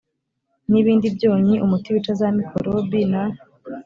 n ibindi byonnyi umuti wica za mikorobi na